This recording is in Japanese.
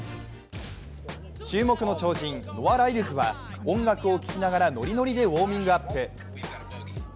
注目の超人、ノア・ライルズは音楽を聴きながらノリノリでウォーミングアップ。